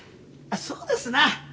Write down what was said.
そうですな。